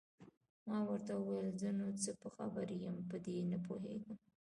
ما ورته وویل: زه نو څه په خبر یم، په دې نه پوهېږم.